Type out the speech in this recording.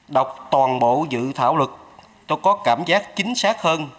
đọc toàn bộ dự thảo luật cho có cảm giác chính xác hơn